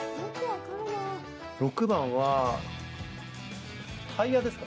６番はタイヤですか？